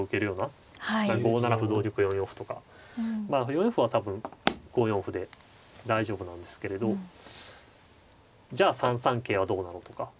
４四歩は多分５四歩で大丈夫なんですけれどじゃあ３三桂はどうなのとか。